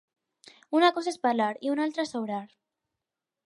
Una cosa és parlar i una altra és obrar.